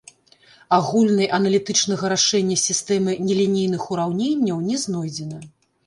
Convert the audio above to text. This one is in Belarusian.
Агульнай аналітычнага рашэння сістэмы нелінейных ураўненняў не знойдзена.